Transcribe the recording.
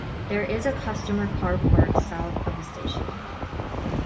There is a customer car park south of the station.